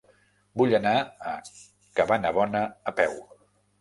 Vull anar a Cabanabona a peu.